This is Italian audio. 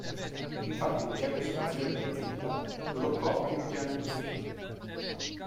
Infatti l'incerta situazione dell'azienda, bloccò il "piano industriale".